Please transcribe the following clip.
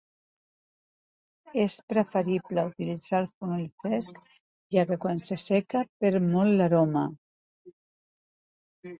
És preferible utilitzar el fonoll fresc, ja que quan s'asseca perd molt l'aroma.